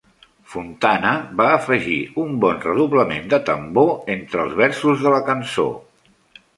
Fontana va afegir un bon redoblament de tambor entre els versos de la cançó.